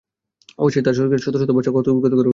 অবশেষে তাঁর শরীরকে শত শত বর্শা ক্ষতবিক্ষত করে ফেলল।